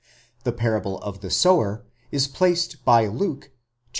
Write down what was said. The parable of the sower is placed by Luke (viii.